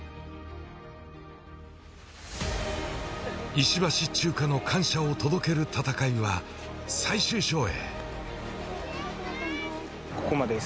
石橋チューカの感謝を届ける戦いは、最終章へ。